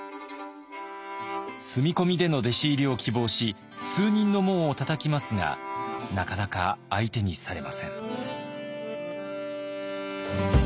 住み込みでの弟子入りを希望し数人の門をたたきますがなかなか相手にされません。